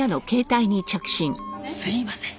すいません。